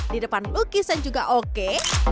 di depan lukisan juga oke